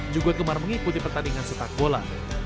juga gemar mengikuti pertandingan sepak bola